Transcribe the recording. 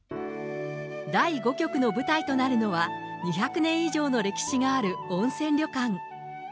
第５局の舞台となるのは、２００年以上の歴史がある温泉旅館。